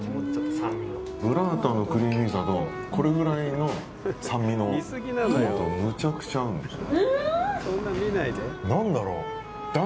ブッラータのクリーミーさとこれぐらいの酸味のトマトとめちゃめちゃ合うんですよ。